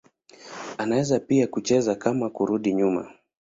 Anaweza pia kucheza kama kurudi nyuma.